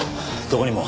どこにも。